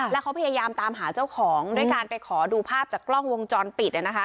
แล้วเขาพยายามตามหาเจ้าของด้วยการไปขอดูภาพจากกล้องวงจรปิดนะคะ